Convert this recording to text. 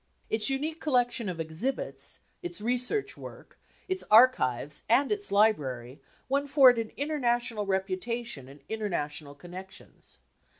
Its unique collection of exhibits, its research work, its archives and its library won for it an international reputation and international connections.